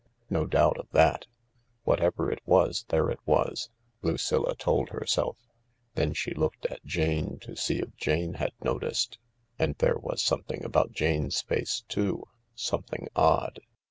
No doubt of that. Whatever it was, there it was, Lucilla told herself. Then she looked at Jane to see if Jane had noticed — and there was something about Jane's face too, something odd.